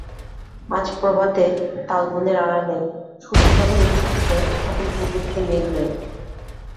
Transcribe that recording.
আজ প্রভাতে, তালবনের আড়ালে সূর্য যখন উঠিতেছে তখন পূর্ব দিকে মেঘ নাই।